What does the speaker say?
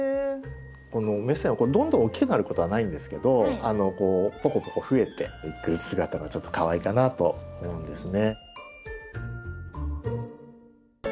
このメセンはどんどん大きくなることはないんですけどこうポコポコ増えていく姿がちょっとかわいいかなと思うんですね。